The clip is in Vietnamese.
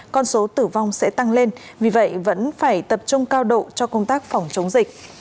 con số tử vong sẽ tăng lên vì vậy vẫn phải tập trung cao độ cho công tác phòng chống dịch